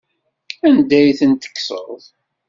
Anda ay ten-tekkseḍ?